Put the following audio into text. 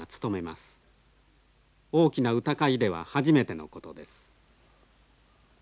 大きな歌会では初めてのことです。